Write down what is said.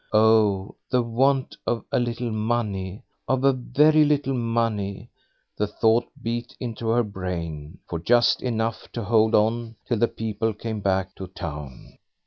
Oh, the want of a little money of a very little money; the thought beat into her brain. For just enough to hold on till the people came back to town.